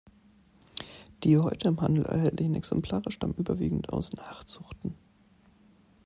Die heute im Handel erhältlichen Exemplare stammen überwiegend aus Nachzuchten.